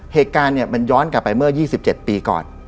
เหตุการณ์เนี่ยมันย้อนกลับไปเมื่อ๒๗ปีก่อน